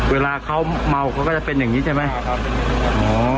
เวลาเขาเมาเขาก็จะเป็นอย่างงี้ใช่ไหมอ่าครับเป็นอย่างงี้